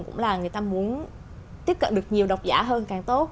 cũng là người ta muốn tiếp cận được nhiều độc giả hơn càng tốt